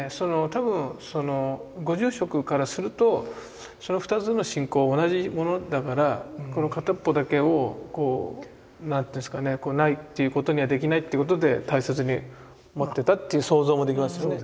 多分ご住職からするとその２つの信仰が同じものだからこの片っぽだけを何て言うんですかねないってことにはできないっていうことで大切に持ってたっていう想像もできますよね。